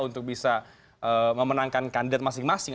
untuk bisa memenangkan kandidat masing masing